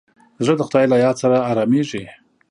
زړه د خدای له یاد سره ارامېږي.